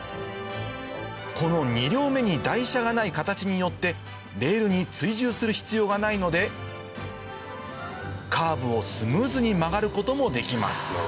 この２両目に台車がない形によってレールに追従する必要がないのでカーブをスムーズに曲がることもできます